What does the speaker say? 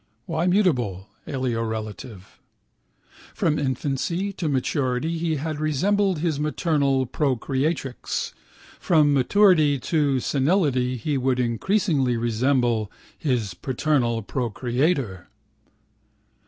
Why mutable (aliorelative)? From infancy to maturity he had resembled his maternal procreatrix. From maturity to senility he would increasingly resemble his paternal procreator.